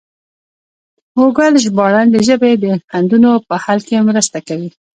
ګوګل ژباړن د ژبې د خنډونو په حل کې مرسته کوي.